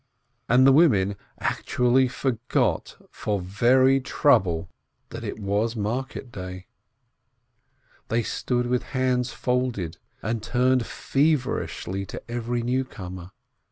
And the women actually forgot for very trouble that it was market day. They stood with hands folded, and turned feverishly to every newcomer.